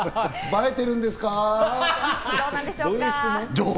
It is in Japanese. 映えてるんですか？